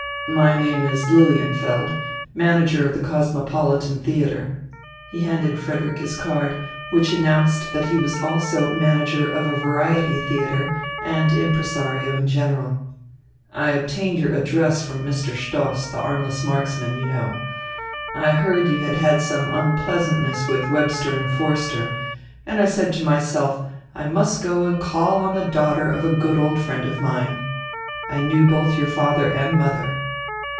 "My name is Lilienfeld manager of the Cosmopolitan Theatre." He handed Frederick his card, which announced that he was also manager of a variety theatre and impresario in general. "I obtained your address from Mr. Stoss, the armless marksman, you know. I heard you had had some unpleasantness with Webster and Forster, and I said to myself, I must go and call on the daughter of a good old friend of mine. I knew both your father and mother."